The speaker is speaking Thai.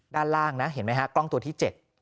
ด้านล่างนะเห็นไหมฮะกล้องตัวที่๗